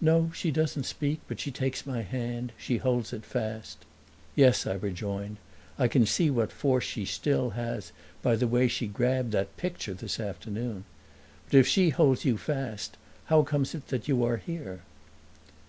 "No, she doesn't speak, but she takes my hand. She holds it fast." "Yes," I rejoined, "I can see what force she still has by the way she grabbed that picture this afternoon. But if she holds you fast how comes it that you are here?"